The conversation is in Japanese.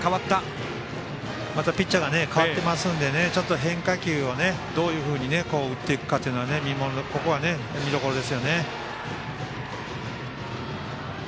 またピッチャーが代わっていますので変化球をどういうふうに打っていくか見どころですよね。